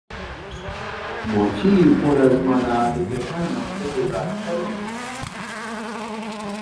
بۆچی پۆلە زمانە عادەتییەکان ئەوەندە بێزارکەرن؟